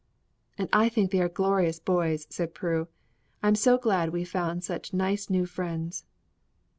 "And I think they are glorious boys," said Prue. "I'm so glad we've found such nice new friends."